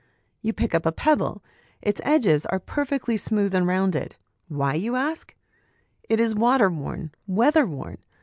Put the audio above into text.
You pick up a pebble. Its edges are perfectly smooth and rounded : why ? you ask. It is water worn, weather worn.